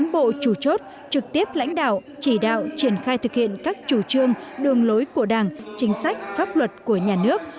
bộ chủ chốt trực tiếp lãnh đạo chỉ đạo triển khai thực hiện các chủ trương đường lối của đảng chính sách pháp luật của nhà nước